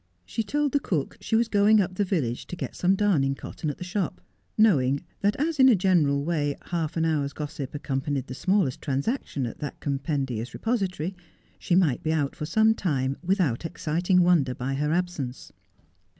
She told the cook she was going up the village to get some darning cotton at the shop, knowing I must bide my Time. 245 that as, in a general way, half an hour's gossip accompanied the smallest transaction at that compendious repository, she might be out for some time without excitiug wonder by her absence.